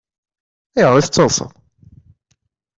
Ayɣer i tettaḍsaḍ?